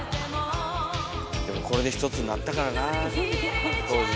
でもこれで一つになったからなあ当時。